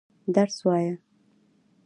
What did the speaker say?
درس وايه.